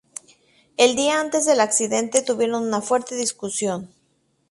El día antes del accidente tuvieron una fuerte discusión.